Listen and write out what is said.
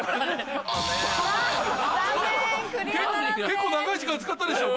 結構長い時間使ったでしょ？